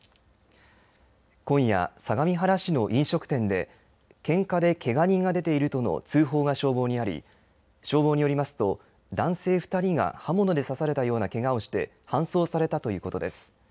今夜、相模原市の飲食店で、けんかでけが人が出ているとの通報が消防にあり、消防によりますと、男性２人が刃物で刺されたようなけがをして、搬送されたということです。